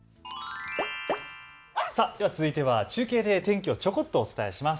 続いて中継で天気をちょこっとお伝えします。